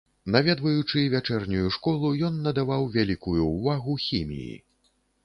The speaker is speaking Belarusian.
Наведваючы вячэрнюю школу, ён надаваў вялікую ўвагу хіміі.